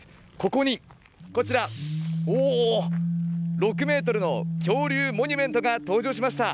ここに、こちら６ｍの恐竜モニュメントが登場しました。